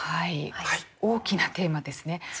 大きなテーマですね。